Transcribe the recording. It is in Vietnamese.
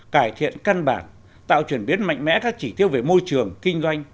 cải thiện căn bản tạo chuyển biến mạnh mẽ các chỉ tiêu về môi trường kinh doanh